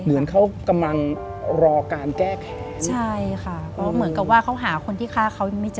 เหมือนเขากำลังรอการแก้แขนใช่ค่ะเพราะเหมือนกับว่าเขาหาคนที่ฆ่าเขายังไม่เจอ